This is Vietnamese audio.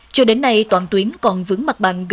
cho đến nay toàn tuyến còn vững mặt bằng